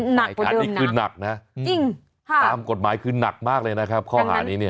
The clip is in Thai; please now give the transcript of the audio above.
ไหนคะอันนี้คือหนักนะจริงตามกฎหมายคือหนักมากเลยนะครับข้อหานี้เนี่ย